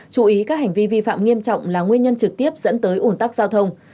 chú ý các hành vi vi phạm nghiêm trọng là nguyên nhân trực tiếp dẫn tới ủn tắc giao thông